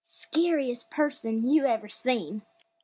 Skeeriest person you ever seen!